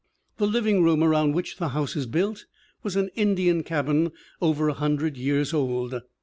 The living room around which the house is built was an Indian cabin over a hundred years old.